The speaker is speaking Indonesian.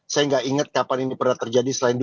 saya ingat kapan ini pernah terjadi